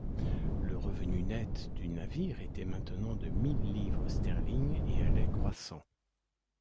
Le revenu net du navire était maintenant de mille livres sterling et allait croissant.